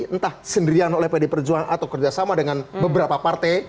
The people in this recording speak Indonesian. entah sendirian oleh pd perjuangan atau kerjasama dengan beberapa partai